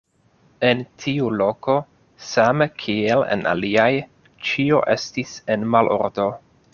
En tiu loko, same kiel en aliaj, ĉio estis en malordo.